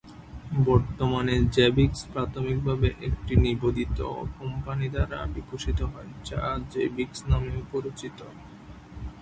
বর্তমানে, জ্যাবিক্স প্রাথমিকভাবে একটি নিবেদিত কোম্পানি দ্বারা বিকশিত হয়, যা জ্যাবিক্স নামেও পরিচিত।